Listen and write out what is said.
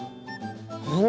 本当？